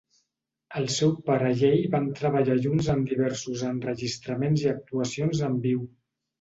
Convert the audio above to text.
El seu pare i ell van treballar junts en diversos enregistraments i actuacions en viu.